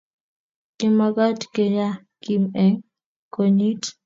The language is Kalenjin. Kimagat kenyaa Kim eng konyit